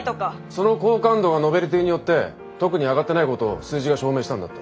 その好感度がノベルティによって特に上がってないことを数字が証明したんだって。